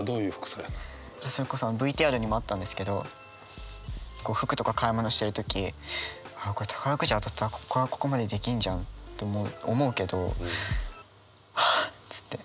それこそＶＴＲにもあったんですけどこう服とか買い物してる時「あっこれ宝くじ当たったらこっからここまでできんじゃん」って思うけど「はぁ」つって。